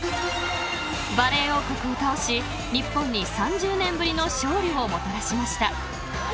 ［バレー王国を倒し日本に３０年ぶりの勝利をもたらしました］